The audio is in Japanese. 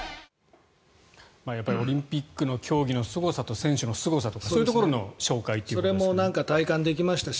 やっぱりオリンピックの競技のすごさと選手のすごさとそういうところの紹介ということですね。